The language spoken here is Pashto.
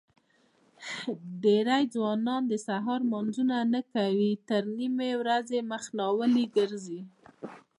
دېری ځوانان سهار لمنځونه نه کوي تر نیمې ورځې مخ ناولي ګرځي.